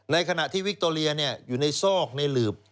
ในขณะที่วิคโตเรียอยู่ในซอกในหลืบ